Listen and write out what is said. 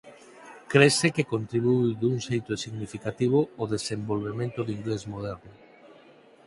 Crese que contribuíu dun xeito significativo ao desenvolvemento do inglés moderno.